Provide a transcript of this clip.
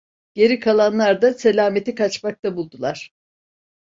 Geri kalanlar da selameti kaçmakta buldular.